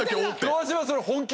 川島それ本気？